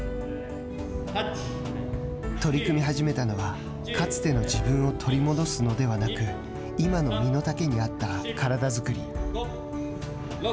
取り組み始めたのはかつての自分を取り戻すのではなく今の身の丈に合った体作り。